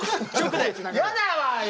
やだわよ！